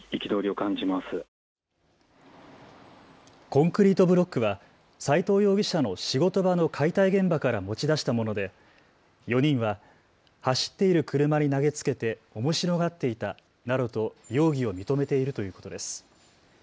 コンクリートブロックは斉藤容疑者の仕事場の解体現場から持ち出したもので４人は走っている車に投げつけておもしろがっていたなどと容疑を認めているということです。